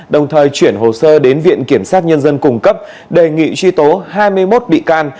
đồng thời chuyển hồ sơ đến viện kiểm sát nhân dân cung cấp đề nghị truy tố hai mươi một bị can